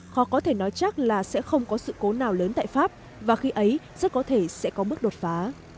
khó có thể nói chắc là sẽ không có sự cố nào lớn tại pháp và khi ấy rất có thể sẽ có bước đột phá